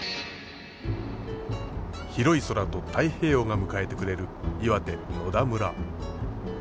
広い空と太平洋が迎えてくれる岩手・野田村。